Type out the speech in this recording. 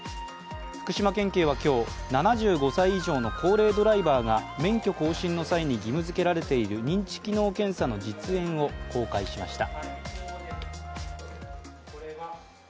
福島県警は今日、７５歳以上の高齢ドライバーが免許更新の際に義務付けられている認知機能検査の実演を公開しました。